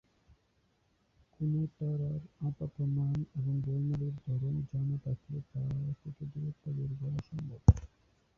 কোন তারার আপাত মান এবং বর্ণালী ধরন জানা থাকলে তা থেকে দূরত্ব বের করা সম্ভব।